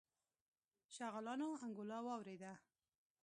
شغالانو انګولا واورېدله.